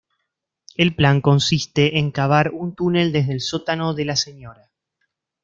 El plan consiste en cavar un túnel desde el sótano de la Sra.